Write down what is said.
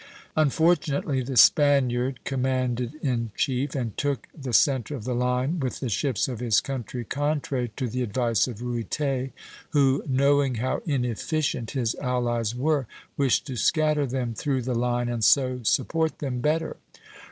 Unfortunately the Spaniard commanded in chief, and took the centre of the line with the ships of his country, contrary to the advice of Ruyter, who, knowing how inefficient his allies were, wished to scatter them through the line and so support them better.